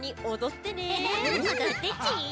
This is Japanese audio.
おどってち。